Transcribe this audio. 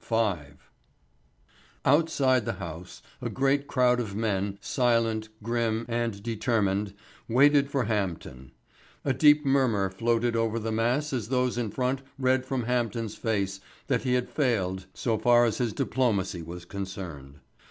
V. Outside the House a great crowd of men, silent, grim, and determined, waited for Hampden. A deep murmur floated over the mass as those in front read from Hampden's face that he had failed so far as his diplomacy was concerned.